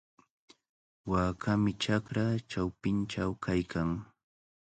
Waakami chakra chawpinchaw kaykan.